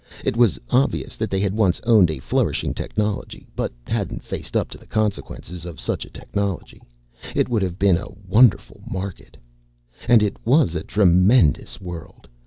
It was obvious that they had once owned a flourishing technology, but hadn't faced up to the consequences of such a technology. It would have been a wonderful market. And it was a tremendous world.